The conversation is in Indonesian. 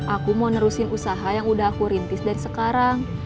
aku mau nerusin usaha yang udah aku rintis dari sekarang